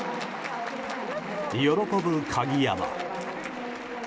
喜ぶ鍵山。